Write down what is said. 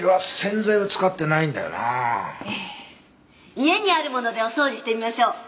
家にあるものでお掃除してみましょう。